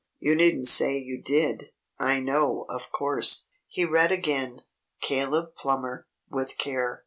You needn't say you did. I know, of course." He read again, "'Caleb Plummer. With Care.